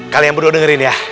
kalian berdua dengerin ya